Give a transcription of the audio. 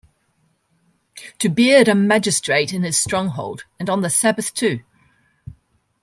To beard a magistrate in his stronghold, and on the Sabbath, too!